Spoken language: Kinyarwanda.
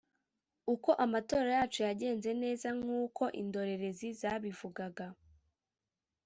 uko amatora yacu yagenze neza nk’uko indorerezi zabivugaga